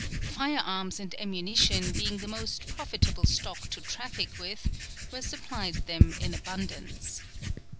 Fire arms and ammunition being the most profitable stock to traffic with were supplied them in abundance.